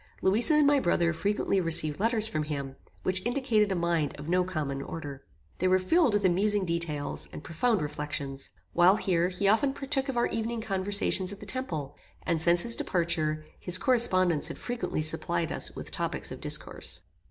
Louisa and my brother frequently received letters from him, which indicated a mind of no common order. They were filled with amusing details, and profound reflections. While here, he often partook of our evening conversations at the temple; and since his departure, his correspondence had frequently supplied us with topics of discourse.